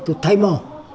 từ thầy mò